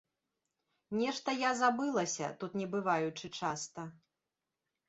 Нешта я забылася, тут не бываючы часта.